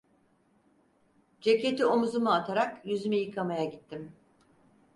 Ceketi omuzuma atarak yüzümü yıkamaya gittim…